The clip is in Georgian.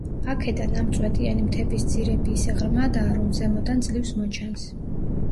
აქედან, ამ წვეტიანი მთების ძირები ისე ღრმადაა, რომ ზემოდან ძლივს მოჩანს.